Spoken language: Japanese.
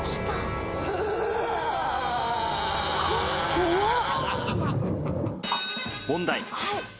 「怖っ！」